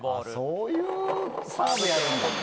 そういうサーブやるんだ。